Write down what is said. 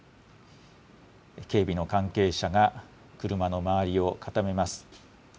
警備の関係者が車の周りを固めます。